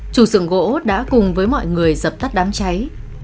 chủ sưởng gỗ đã cùng với mọi người dập tắt đám cháy